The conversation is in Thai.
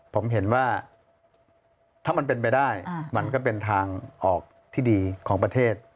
ผมเห็นว่าถ้ามันเป็นไปได้มันก็เป็นทางออกที่ดีของประเทศ